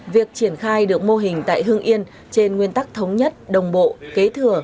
việc triển khai được mô hình tại hương yên trên nguyên tắc thống nhất đồng bộ kế thừa